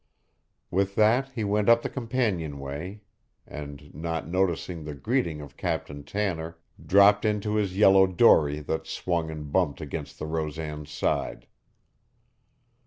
With that he went up the companionway and, not noticing the greeting of Captain Tanner, dropped into his yellow dory that swung and bumped against the Rosan's side.